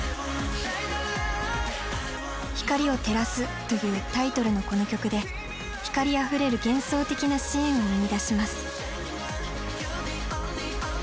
光を照らすというタイトルのこの曲で光あふれる幻想的なシーンを生みだします。